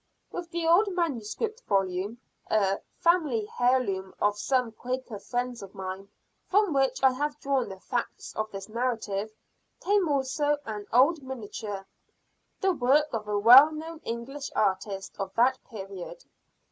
With the old manuscript volume a family heirloom of some Quaker friends of mine from which I have drawn the facts of this narrative, came also an old miniature, the work of a well known English artist of that period.